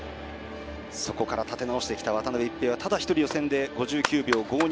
そこから立て直してきた渡辺一平はただ一人５９秒５２